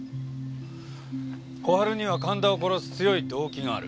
小春には神田を殺す強い動機がある。